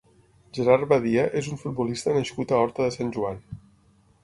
Gerard Badía és un futbolista nascut a Horta de Sant Joan.